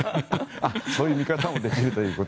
そういう見方もできると。